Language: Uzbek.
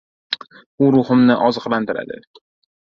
U ruhimni oziqlantiradi.